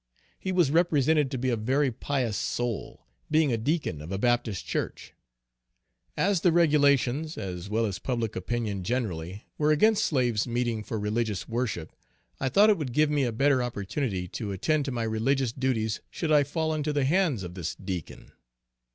He was represented to be a very pious soul, being a deacon of a Baptist church. As the regulations, as well as public opinion generally, were against slaves meeting for religious worship, I thought it would give me a better opportunity to attend to my religious duties should I fall into the hands of this deacon.